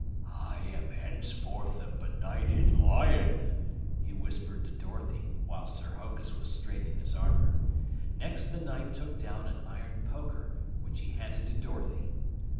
"I am henceforth a beknighted lion," he whispered to Dorothy while Sir Hokus was straightening his armor. Next the Knight took down an iron poker, which he handed to Dorothy.